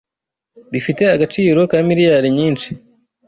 bifite agaciro ka miliyari nyinshi